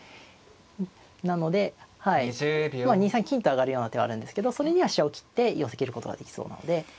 なので２三金と上がるような手はあるんですけどそれには飛車を切って寄せきることができそうなので。